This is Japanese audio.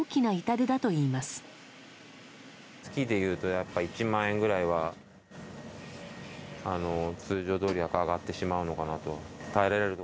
月でいうと、やっぱり１万円ぐらいは通常よりかは上がってしまうのかなと。